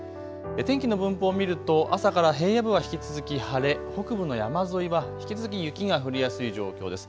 天気の分布を見ると朝から平野部は引き続き晴れ、北部の山沿いは引き続き雪が降りやすい状況です。